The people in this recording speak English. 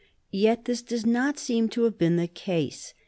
Yet this does not seem to have been the case.